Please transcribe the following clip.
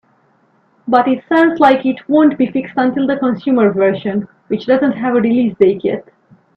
But it sounds like it won't be fixed until the consumer version, which doesn't have a release date yet.